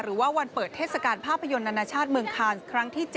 หรือว่าวันเปิดเทศกาลภาพยนตร์นานาชาติเมืองคานครั้งที่๗